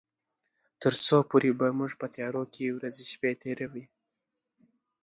تر څو پورې به موږ په تيارو کې ورځې شپې تيروي.